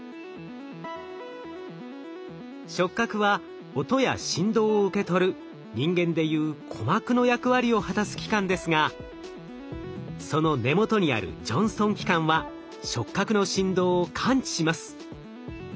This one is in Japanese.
触角は音や振動を受け取る人間でいう鼓膜の役割を果たす器官ですがその根元にあるジョンストン器官は触角の振動を感知します。